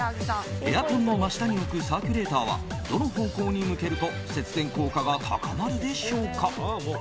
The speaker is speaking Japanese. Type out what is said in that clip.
エアコンの真下に置くサーキュレーターはどの方向に向けると節電効果が高まるでしょうか。